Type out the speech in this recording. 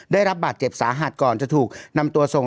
ได้รับบาดเจ็บสาหัสก่อนจะถูกนำตัวส่ง